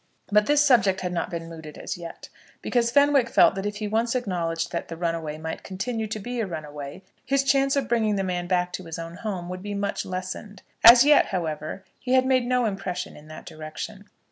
But this subject had not been mooted as yet, because Fenwick felt that if he once acknowledged that the runaway might continue to be a runaway, his chance of bringing the man back to his own home would be much lessened. As yet, however, he had made no impression in that direction.